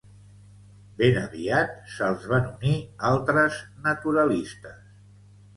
Ben aviat se'ls van unir altres naturalistes.